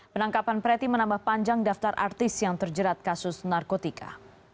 penangkapan preti menambah panjang daftar artis yang terjerat kasus narkotika